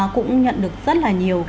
cũng nhận được rất là nhiều